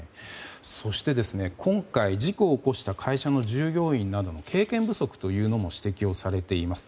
そして今回、事故を起こした会社の従業員などの経験不足というのも指摘をされています。